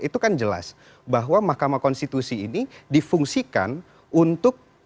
itu kan jelas bahwa mahkamah konstitusi ini difungsikan untuk